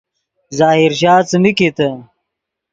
ظاہر شاہ څیمین کیتے